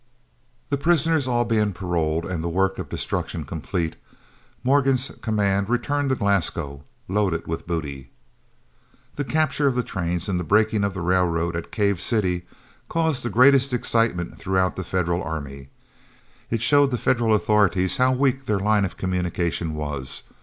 The prisoners all being paroled, and the work of destruction complete, Morgan's command returned to Glasgow, loaded with booty. The capture of the trains and the breaking of the railroad at Cave City caused the greatest excitement throughout the Federal army. It showed the Federal authorities how weak their line of communication was.